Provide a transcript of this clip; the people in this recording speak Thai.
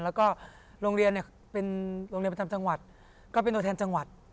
แล้วก็โรงเรียนเนี่ยเป็นโรงเรียนประจำจังหวัดก็เป็นตัวแทนจังหวัด